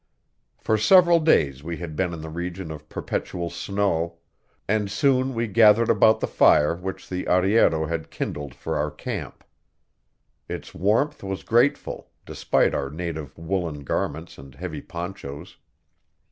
For several days we had been in the region of perpetual snow; and soon we gathered about the fire which the arriero had kindled for our camp. Its warmth was grateful, despite our native woolen garments and heavy ponchos.